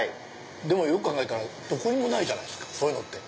よく考えたらどこにもないじゃないですかそういうの。